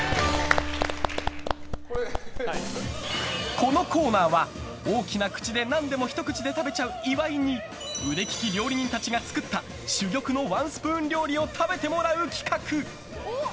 このコーナーは、大きな口で何でもひと口で食べちゃう岩井に腕利き料理人たちが作った珠玉のワンスプーン料理を食べてもらう企画。